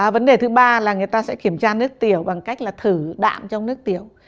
vấn đề thứ ba là người ta sẽ kiểm tra nước tiểu bằng cách là thử đạm trong nước tiểu